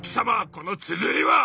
このつづりは？